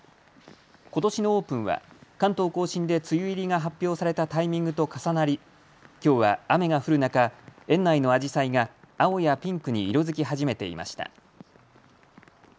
ことしのオープンは関東甲信で梅雨入りが発表されたタイミングと重なりきょうは雨が降る中、園内のあじさいが青やピンクに色づき始めていました。